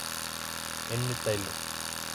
N. Taylor.